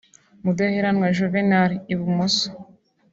Mudaheranwa Juvenal (ibumoso)